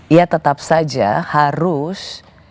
ia tetap saja harus